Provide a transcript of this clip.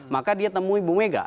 maka dia temui ibu mega